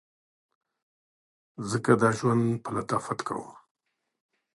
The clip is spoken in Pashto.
ځکه دا ژوندون په لطافت کوم